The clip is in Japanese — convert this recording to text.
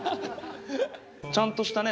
ちゃんとしたね